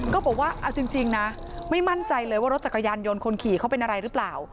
ก็บอกว่าเอาจริงนะไม่มั่นใจเลยว่ารถจักรยานยนต์คนขี่เขาเป็นอะไรหรือเปล่า